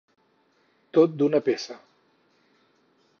Tot d'una peça.